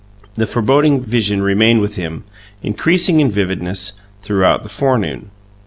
The foreboding vision remained with him, increasing in vividness, throughout the forenoon.